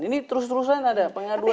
ini terus terusan ada pengaduan